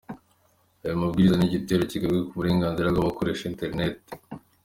Aya mabwiriza ni igitero kigabwe ku burenganzira bw’abakoresha internet.